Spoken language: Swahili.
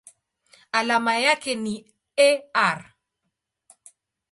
Alama yake ni Ar.